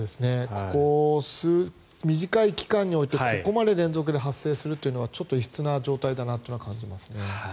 ここ短い期間においてここまで連続で発生するというのはちょっと異質な状態だなというのは感じますね。